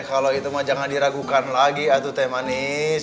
kalau gitu mah jangan diragukan lagi atau teh manis